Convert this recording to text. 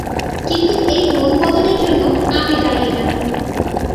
কিন্তু এই মন বদলের জন্য আমি দায়ী না।